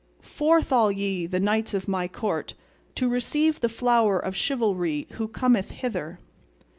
Forth all ye, the knights of my court, to receive the flower of chivalry who cometh hither!